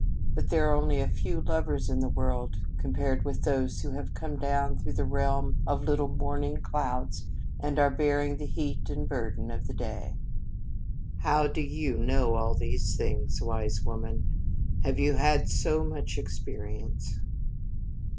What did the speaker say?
But there are only a few lovers in the world compared with those who have come down through the realm of little morning clouds and are bearing the heat and burden of the day." "How do you know all of these things, Wise Woman? Have you had so much experience?"